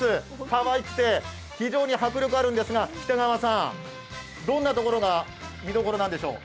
かわいくて、非常に迫力あるんですが、北川さん、どんなところが見どころなんでしょう。